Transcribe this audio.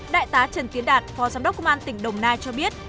đại tá trần tiến đạt phó giám đốc công an tỉnh đồng nai cho biết